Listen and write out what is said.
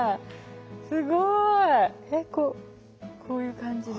すごいこういう感じで。